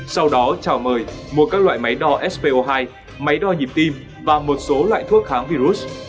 sau đó chào mời mua các loại máy đo spo hai máy đo nhịp tim và một số loại thuốc kháng virus